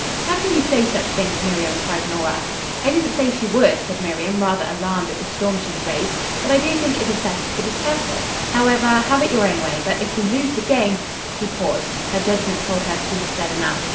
"How can you say such things, Miriam?" cried Nora. "I didn't say she would," said Miriam rather alarmed at the storm she had raised. "But I do think it is better to be careful. However, have it your own way. But if we lose the game " She paused. Her judgment told her she had said enough.